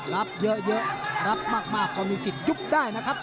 รับเยอะรับมากก็มีสิทธิ์ยุบได้นะครับ